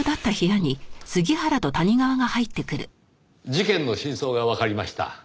事件の真相がわかりました。